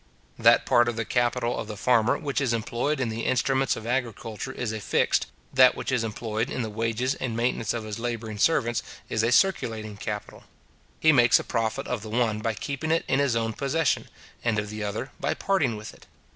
That part of the capital of the farmer which is employed in the instruments of agriculture is a fixed, that which is employed in the wages and maintenance of his labouring servants is a circulating capital. He makes a profit of the one by keeping it in his own possession, and of the other by parting with it.